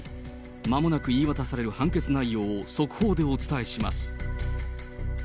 まもなく言い渡される判決内容を速報でお伝えします。